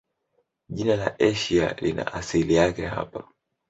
Jina la Asia lina asili yake hapa.